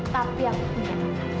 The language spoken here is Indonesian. tapi aku punya